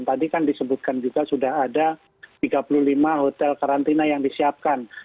tadi kan disebutkan juga sudah ada tiga puluh lima hotel karantina yang disiapkan